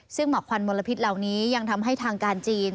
ซึ่งหมอกควันมลพิษเหล่านี้ยังทำให้ทางการจีน